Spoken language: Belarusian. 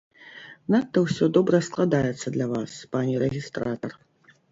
Надта ўсё добра складаецца для вас, пане рэгістратар.